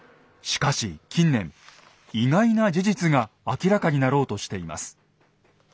しかし近年意外な事実が明らかになろうとしています。